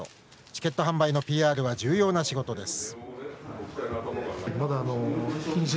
チケット販売のＰＲは重要な仕事です。